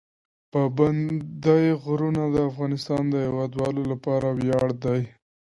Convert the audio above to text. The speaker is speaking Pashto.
پابندی غرونه د افغانستان د هیوادوالو لپاره ویاړ دی.